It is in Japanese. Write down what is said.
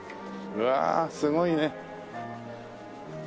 うわあすごいね。